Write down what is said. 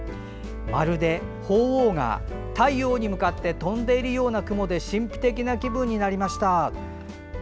まるで鳳凰が太陽に向かって飛んでいるような雲で神秘的な気分になりました。